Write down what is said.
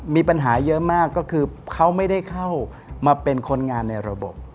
มีปัญหาเยอะมากก็คือเขาไม่ได้เข้ามาเป็นคนงานในระบบ